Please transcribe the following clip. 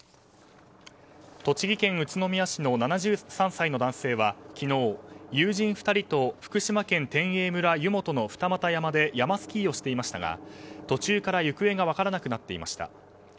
栃木県宇都宮市の７３歳の男性は昨日、友人２人と福島県天栄村湯本の二岐山で山スキーをしていましたが途中から行方が分からなくなっていました。